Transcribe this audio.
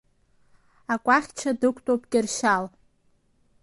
Акәахьча дықәтәоуп Кьыршьал.